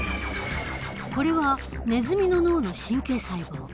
これはネズミの脳の神経細胞。